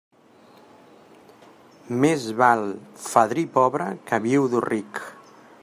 Més val fadrí pobre que viudo ric.